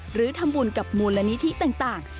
หรือทำบุญกับมูลนิธิต่าง